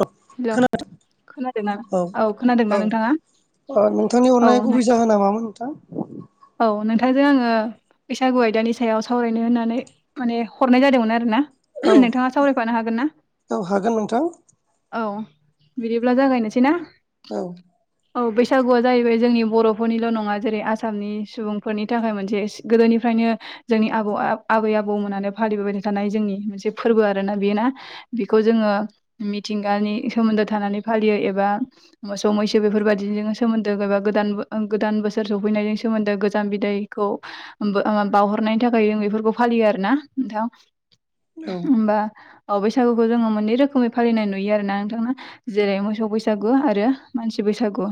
अ hello खोनादों। खोनादोंना औ खोनादोंना नोंथाङा? अ नोंथांनि औ हरनायनि गुबै जाहोना मामोन नोंथां। औ नों थांजों आङो बैसागु आयदानि सायाव सावरायनो होननानै माने हरनाय जादोंमोन आरो ना। औ नोंथाङा सावरायफानो हागोन ना? औ हागोन नोंथां औ बिदिब्ला जागायनोसै ना? औ। औ बैसागुआ जाहैबाय जोंनि बर'फोरनिल नङा जेरै आसामनि सुबुंफोरनि थाखाय मोनसे गोदोनिफ्राय बेखायनो जोंनि आबौ आबै आबौमोनानो फालिबोबाय थानाय जोंनि मोनसे फोरबो आरो ना बेयो ना बिखौ जोङो मिथि थिंगानि सोमोन्दो थानानै फालियो एबा मोसौ मैसो बेफोरबायदिजों सोमोन्दो एबा गोदान गोदान बोसोर सफैनायनायनि सोमोन्दो गोजाम बिदायखौ बावहरनायनि थाखाय जों बेफोरखौ फालि लियो आरोना नोंथां औ होमबा ओ बैसागुखौ जोङो मोनै रोखोमै फालिनाय नु नुयो आरो ना नोंथां जेरै मोसौ बैसागु आरो मानसि बैसागु।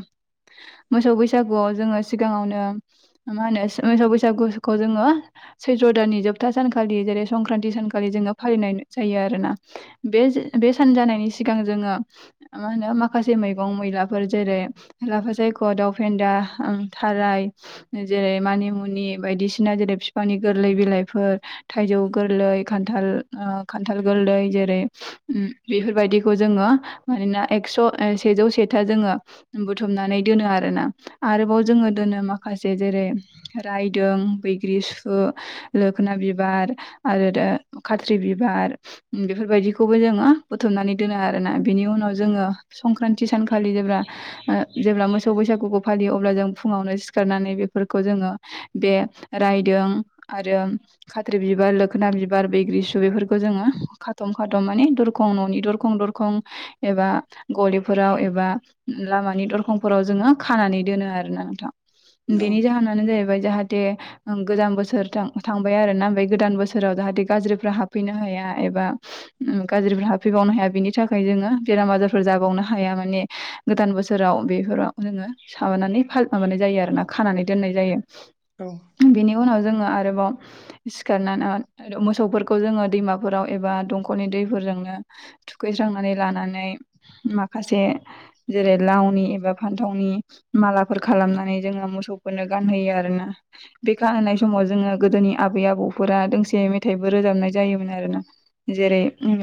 मोसौ बैसागुआव जोङो सिगाङावनो मा होनो मोसौ बैसागुखौ जोङो सैत्र दाननि जोबथा सानखालि जेरै संक्रान्ति सानखालि जोङो फालिनाय जायो आरोना बे बे सानजानायनि सि सिगां जोङो मा होनो माखासे मैगं मैलाफोर जेरै लाफा सायख' दाउ फेन्दा थाराय जेरै मानिमुनि बायदिसिना जेरै बिफांनि गोरलै बिलाइफोर थाइजौ गोरलै खान्थाल ओ खान्थाल गोरलै जेरै बेफोरबायदि खौ जोङो मानोना एकस सेजौ सेथा जोङो बुथुमनानै दोनो आरोना। आरोबाव जोङो दोनो माखासे जेरै रायदों बैग्रिसु लोखोना बिबार आरो खाथ्रि बिबार बेबायदिखौबो जोङो बुथुमनानै दोनो आरोना बिनि उनाव जोङो संक्रान्ति सानखालि जेब्ला जेब्ला मोसौ बैसागुखौ फालि यो अब्ला जों फुङावनो सिखारनानै बेफोरखौ जोङो बे रायदों आरो खाथ्रि बिबार लोखोना बिबार बैग्रिसु बेफोरखौ जोङो खाथम खाथम माने दरखं न'नि दर खं दरखं एबा गलिफोराव एबा लामानि दरखंफोराव जोङो खानानै दोनो आरोना नोंथां औ बेनि जाहोनानो जाहैबाय जाहाथे गोदान बोसोर था-थांबाय आरो ना ओमफ्राय गोदान बोसोराव जाहाथे गाज्रिफ्रा हाबफैनो हाया एबा गाज्रि हाफैबावनो हाया बिनि थाखाय जोङो बेराम आजारफोर जाबावनो हाया माने गोदान बोसोराव बेफोराव जोङो माबानानै माबानाय जायो आरो ना खानानै दोननाय जायो औ बिनि उनाव जोङो आरोबाव [inaudible] सिखारनानै मोसौफोरखौ जोङो दैमाफोराव एबा दंखलनि दैफोरजोंनो थुखैस्रांनानै लानानै माखासे जेरै लावनि एबा फान्थावनि मालाफोर खालामनानै जोङो मोसौफोरनो गानहोयो आरोना बे गानहोनाय समाव जोङो गोदोनि आबै आबौफोरा दोंसे मेथाइबो रोजाबनाय जायोमोन आरोना जेरै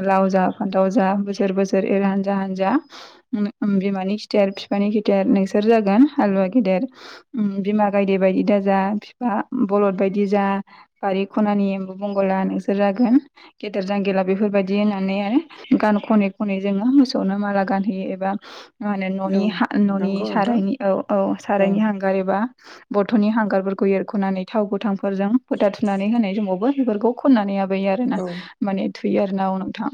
लावजा फानथाव जा बोसोर बोसोर एर हानजा हानजा उम बिमानि खिथेर बिफानि खिथेर नोंसोर सोर जागोन हालुवा गेदेर उम बिमा गायदे बायदि दाजा फिफा उम बलद बायदि जा बारि खनानि एम्बु बंगोला नोंसोर जागोन गेदेर जांगिला बेफोर बायदि होननानैहाय गान खनै खनै जोङो मोसौनो माला गानहैयो एबा मा होनो न'नि औ हा न'नि नंगौ नोंथां सारायनि औ औ सारायनि हांगार एबा बथ'नि हांगारफोरखौ एरख'नानै थाव गोथांफोरजों फोथा थुनानै होनाय समावबो बेफोरखौ खननानै बैयो आरोना औ माने थुहोयो आरोना औ नोंथां।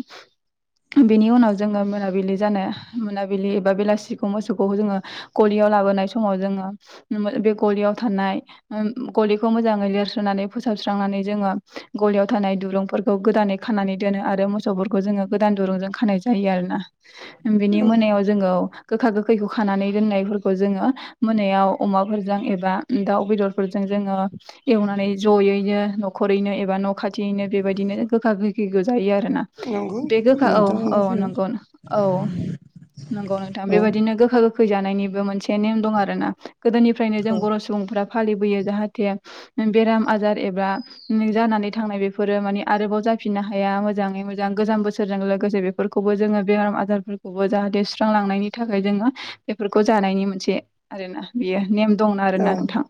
बेनि उनाव जोङो मोनाबिलि जानो मोनाबिलि एबा बेलासिखौ मोसौखौ जोङो गलियाव लाबोनाय समाव जोङो बे गलियाव थानाय उम गलिखौ मोजाङै लिरस्रोननानै फोसाबस्रांना नानै जोङो गलियाव थानाय दुरुंफोरखौ गोदानै खानानै दोनो आरो मोसौफोरखौ जोङो गोदान दुरुंजों खानाय जायो आरो ना। बिनि औ मोनायाव जोङो गोखा गोखैखौ खानानै दोननायफोरखौ जोङो मोनायाव अमाफोरजों एबा दाउ बेदरफोरजों जोङो एवनानै ज'यैनो न'खरैनो एबा न' खाथियैनो बेबायदिनो गोखा गोखौखो जायो आरोना। नंगौ बे गोखा औ नोंथां औ बुंनाय नंगौ सैथो औ नंगौ नोंथां औ बेबादिनो गोखा गोखै जानायनि बो मोनसे नेम दं आरोना गोदोनिफ्रायनो जों औ बर' सुबुंफ्रा फालिबोयो जाहाथे उ बेराम आजार एबा जानानै थांनाय बेफोरो माने आरोबाव जा जाफिनो हाया मोजाङै मोजां मोजां गोजाम बोसोर लोगोसे बेफोरखौबो जोङो बेराम आजारफोरखौबो जाहाथे सुस्रांलांनायनि थाखाय जोङो बेफोरखौ जाहाथे जानायनि मोनसे आरोना बियो नेम दं औ आरोना नोंथां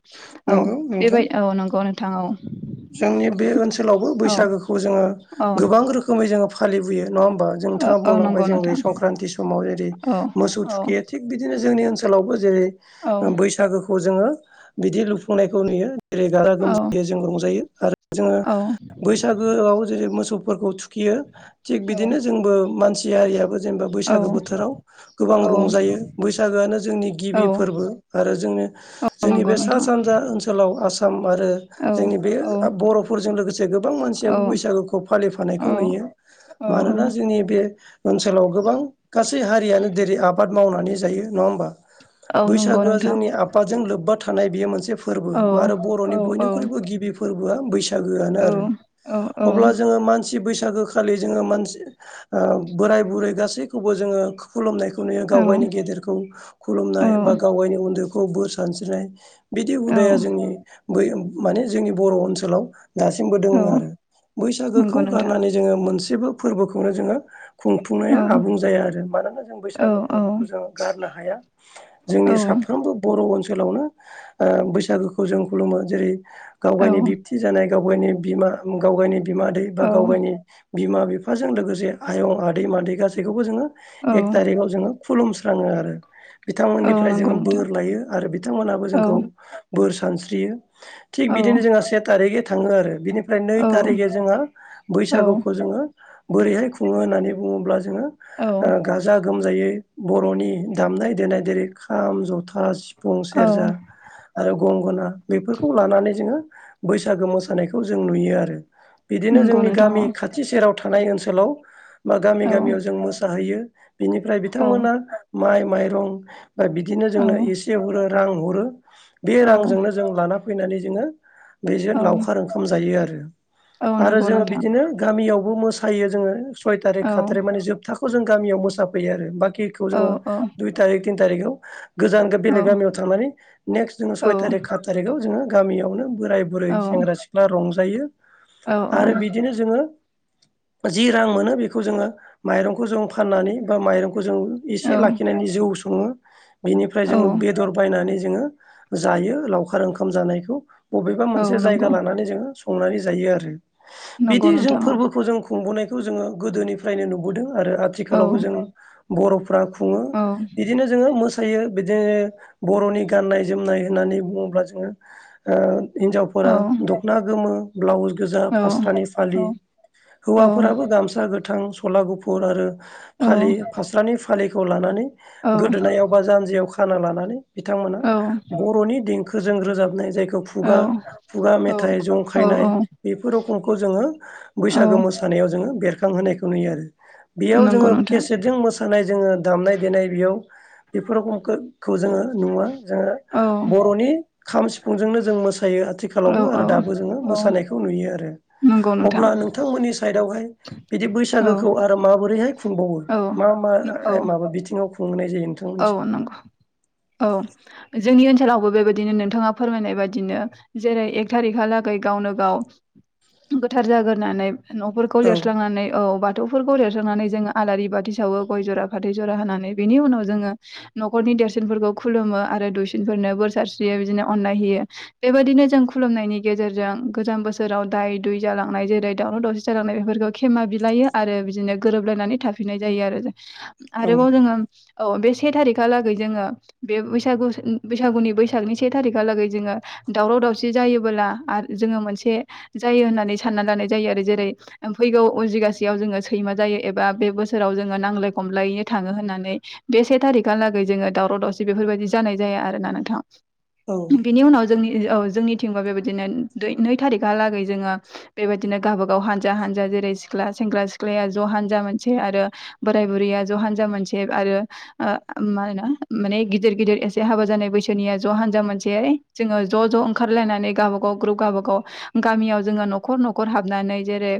औ नंगौ नोंथां बेबाय औ नंगौ नोंथां औ। जोंनि बे ओनसोलावबो औ बैसागोखौ जोङो गोबां रोखोमै जोङो फालिबोयो नङा होम बा औ जोंथाङा औ बुंलांबाय नंगौ जे नोंथां संक्रान्ति समाव जेरै औ मोसौ थुखैयो औ थिग बिदिनो जोंनि ओनसोलावबो जेरै ओ बैसागोखौ जोङो बिदि लुफुंनायखौ नुयो। जेरै गारा औ गोमजायो जों रंजायो आरो जोङो औ बैसागोआव जेरै मोसौ। फोरखौ थुखियो थिग औ बिदिनो जोंबो मानसि हारियाबो जेनेबा औ बैसागो बोथोराव गोबां औ रंजायो बैसागोआनो जोंनि औ गिबि फोरबो आरो जोंनि। औ जोंनि नंगौ बे नोंथां सा-सानजा ओनसोलाव आसाम आरो औ जोंनि बे औ ओ बर'फोरजों लोगोसे गोबां औ मानसियाबो बैसागुखौ औ फालिफानायखौ नुयो औ मानोना जोंनि बे ओनसोलाव गोबां गासै हारियानो जेरै आबाद मावनानै जायो नङा होमबा औ नंगौ बैसागोआ नोंथां जोंनि आफादजों लोब्बा थानाय बेयो मोनसे फोरबो औ आरो औ बर'नि औ बयनिख्रुइबो गिबि फोरबोआ बैसाग आनो औ आरो। औ अब्ला जोङो। मानसि बैसागोखालि जोङो मानसि बोराय बुरै गासैखौबो जोङो खुलुमनायखौ। नुया गाव गावनि गेदेरखौ खुलुमनाय बा गाव गावनि उन्दैखौ बोर सानस्रिनाय। बिदि औ हुदाया जोंनि बै माने जोंनि बर' ओनसोलाव दासिमबो औ दोङो आरो बैसागोखौ नंगौ नोंथां गारनानै जोङो मोनसेबो फोरबोखौनो जोङो औ खुंफुंनाया औ आबुं जाया आरो मानोना जों बैसागो औ फोरबोखौ जोङो गारनो हाया जोंनि सा साफ्रोमबो बर' ओनसोलावनो ओ बैसागोखौ जों खुलुमो जेरै गाव गावनि बिबथि जानाय गाव गावनि बिमा गाव गावनि बिमा दै बा औ गाव गावनि बिमा बिफाजों लोगोसे आयं आदै मादै गासैखौबो जोङो एक थारिखाव जोङो खुलुमस्राङो आरो औ बिथांमोननिफ्राय नंगौ जोङो नोंथां बोर लायो आरो बिथांमोनहाबो जोंखौ औ बोर सानस्रियो। थिग बिदिनो जोंहा से थारिखै थाङो आरो बिनि फ्राय औ नै औ थारिखै जोङो औ औ बैसागुखौ जोङो बोरैहाय खुङो होननानै बुङोब्ला जों। जोङो गाजा गोमजायै बर'नि दामनाय देनाय जेरै खाम जथा सिफुं औ सेरजा नंगौ आरो। गंगोना बेफोरखौ लानानै जोङो बैसागो मोसानायखौ जों नुयो आरो। बिदिनो जोंनि नोंथां गामि खाथि सेराव थानाय ओनसोलाव बा गामि गामियाव औ जों मोसाहैयो। बिनिफ्राय औ बिथांमोना माइ माइरं बा बिदिनो औ जोंनो एसे हरो। रां हरो बे रांजोंनो जों लाना फैनानै जोङो बेजों औ लावखार ओंखाम जायो आरो। औ आरो जोङो नंगौ नोंथां बिदिनो गामियावबो मोसायो जोङो सय थारिख औ खाात थारिख माने जोबथा। खौ जों गामियाव मोसाफैयो आरो बाखिखौ जोङो औ दुइ थारिख थिन थारिखाव। गोजान औ बेलेग गामियाव थांनानै नेक्स्ट जोङो सय औ थारिख सात थारिखाव जोङो गामियावनो। बोराय बुरै औ सेंग्रा सिख्ला रंजायो आरो औ बिदिनो जोङो। जि रां मोनो बेखौ जोङो माइरंखौ जों फाननानै बा माइंखौ। खौ जों एसे औ लाखिनानै जौ सङो बेनिफ्राय औ जोो बेदर बायनानै। जोङो जायो लावखार ओंखाम जानायखौ बबेबा औ मोनसे जायगा नंगौ लानानै जोङो। संनानै जायो आरो नंगौ बिदि जों नोंथां फोरबोखौ जों खुंबोनायखौ जोङो गोदोनिफ्रायनो नुबोदों। आरो औ आथिखालावबो जों बर'फोरा खुङो औ बिदिनो जोङो मो फोथायो बिदिनो बर'नि गान्नाय जोमनाय होननानै बुङोब्ला जोङो। हिन्जावफोरा दखना गोमो ब्लाउस गोजा औ फास्रानि औ फालि औ हौवाफोराबो गामसा गोथां सला गुफुर आरो फा औ फास्रानि फालिखौ लानानै गोदोनायाव बा जानजियाव। खाना लानानै बिथांमोना बर'नि देंखोजों रोजाबनाय जाय। खुगा खुगा औ मेथाइ औ जंखायनाय बेफोर रोखमखौ जोङो औ बैसागो मोसानायाव जोङो। बेरखांहोनायखौ नुयो आरो बेयाव नंगौ जोङो नोंथां केसेटजों मोसानाय जोङो दामनाय देनाय बेयाव। बेफोर रख जोङो नुवा जोङो औ बर'नि खाम सिफुंजोंनो। जों मोसायो औ आथिखालावबो आरो दाबो जोङो औ औ मोसानायखौ नुयो आरो नंगौ नोंथां अब्ला नोंथांमोननि साइदआवहाय बिदि औ बैसागोखौ आरो माबोरैहाय खुंबावो औ मा औ माबा बिथिङाव खुंनाय जायो नोंथांमोनथिं? औ नंगौ औ जोंनि ओनसो सोलावबो बेबायदिनो नोंथाङा फोरमायनाय बाददिनो जेरै एक थारिखाहालागै गावनो गाव गोथार जाग्रोनानै न'फोरखौ औ लिरस्लांनानै औ बाथौफोरखौ ल नानै जोङो आलारि बाथि सावो गय जरा फाथै जरा होनानै बेनि उनाव जोङो न'खरनि देरसिनफोरखौ खुलुमो आरो दुइसिनफोरनो बोर सारस्रियो बिदिनो अननाय होयो बेबायाददिनो जों खुलुमनायनि गेजेरजों गोजाम बोसोराव दाय दु जालांनाय जेरै दावराव दावसि जालांनाय बेफोरखौ खेमा बिलायो आरो बिदिनो गोरोबलायनानै थाफिनाय जायो आरो औ आरोबाव जोङो औ बे से थारिखाहालागै जोङो बे बैसागु बैसागुनि बैसागनि से थारिखालागै जोङो दावराव दावसि जायोबोला जोङो मोनसे जायो होननानै सानना लानाय जायो आरो जेरै फैगौ उजगासेयाव जोङो सैमा जायो एबा बे बोसोराव जोङो नांज्लाय खमलायैनो थाङो होननानै बे से थारिखाहालागै जोङो दावराव दावसि बेफोरबायदि जानाय जाया आरोना नोंथाङा बिनि उनाव जोंनि औ जोंनिथिंबा बेबायदिनो नै थारिखाहालागै जोङो बेबायदिनो गावबागाव हानजा हानजा जेरै सिख्ला सेंग्रा सिख्लाया ज हानजा मोनसे आरो बोराय बुरैया ज हान्जा मोनसे आरो माा माने गिदिर गिदिर एसे हाबा जानाय बैसोनिया ज हानजा मोनसे जोङो ज ज ओंखारलायनानै गावब गाव ग्रुप गावबागाव गामियाव जोङो न'खर न'खर हाबनानै जेरै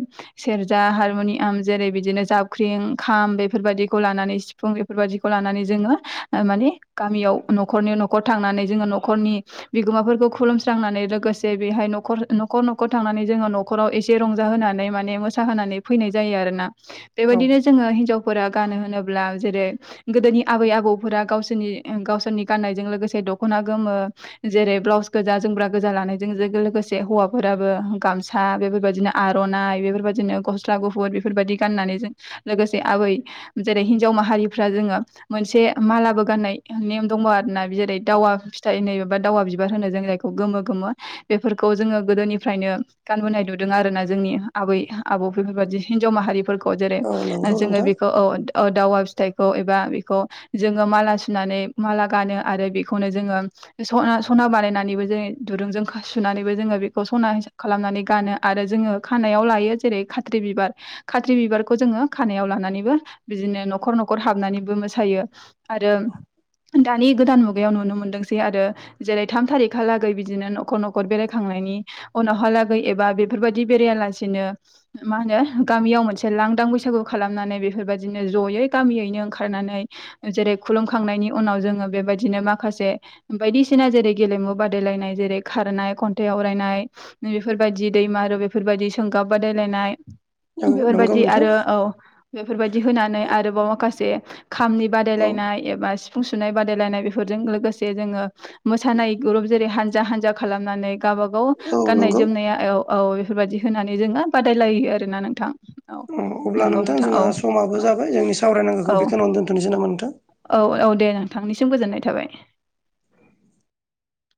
सेरजा हारमनियाम जेरै बिदिनो जाबख्रिं खाम बेफोरबायाददिखौ लानानै सिफुं बेफोरबायादिखौ लानानै जोङो माने गामियाव न'खनि न'खर थांनानै जोङो न'खरनि बिुमाफोरखौ खुलुमस्रांनानै लोगोसे बेहाय न'खर न'खर न'खर थांनानै जोङो न'खराव एसे रंजा होनानै माने मोस होनानै फैनाय जायो आरोना औ बेबायदिनो जोङो हिनजावफोरा गानो होनोब्ला जेरै गोदोनि आबै आबौफोरा गावसोरनि गावसोरनि गाननायजों लोगोसे दखना गोमो जेरै ब्लाउस गोजा जोमग्रा गोजा लानायजों लोगोसे हौवाफोराबो गामसा बेफोरबायदिनो आरनाइ बेफोरबायदिनो गस गुफुर बेफोरबायदि गाननानै ज लोगोसे आबै जेरै हिनजाव माह जोङो मोनसे मालाबो गाननाय नेम दङ आरोना जेरै दावा फिथाइ नै एबा दावा बिबार होनो जों जायखौ गोमो गोमो बेफोरखौ जोङो गोदोनिफ्रायनो गानबोनाय नुदों आरोना जोंनि आबै आबौ बेफोरबादि हिन्जाव माहारिफोरखौ जेरै औ नंगौ जोङो नोंथां बेखौ औ औ दावा खौ एबा बे जोङो माला सुनानै माला गानो आरो बेखौनो जोङो [unintelligible] सना बानायनानैबो जोङो दुरुंजों सुनानैबो जोङो बेखौ सना हाब खालामनानै गानो आरो जोङो खानायाव लायो जेरै खाथ्रि बिबार खाथ्रि बिबारखौ जोङो खानायाव लानानै बिदिनो न'खर न'खर खर हाबनानैबो मोसायो आरो दानि गोदान मुगायाव नुनो मोनदोंसै आरो जेरै थाम थारिखाहालागै बिदिनो न'खर न'खर बेरायखांनाय नि उनावहालागै एबा बेफोरबादि बेरायालासिनो मा होनो गामियाव मोनसे लां दां बैसागु खालामनानै बेफोरबायदिनो ज'यै गामियैनो ओंखारनानै जेरै खुलुमखांनायनि उनाव जोङो बेबायदिनो माखासे बायदिसि बसिना जेरै गेलेमु बादायलायनाय जेरै खारनाय खन्थाइ आवरायनाय बेफोरबायाददि दैमारु बेफोरबाय बायदि सोंगाब बादायलायनाय औ नंगौ बेफोरबायदि नोंथां आरो औ बेफोरबायदि होनानै आरोबाव माखासे खामनि औ बादायलायनाय एबा सि सुनाय बादायलायनाय बेफोरजों लोगोसे जोङो मोसानाय ग्रुप जेरै हानजा हानजा खालामनानै गावबा गाव खौ औ गाननाय नंगौ जोमनाया औ औ बेफोरबायाददि होनानै जोङो बादायलायो आरोना नोंथां औ अब्ला नंगौ नोंथां औ जोंहा समाबो औ जाब जोंनि औ सावरायनांगोखौ बेखिनियावनो दोनथ'सै नामा नोंथां औ औ दे नोंथांनिसिम गोजोननाय थाबाय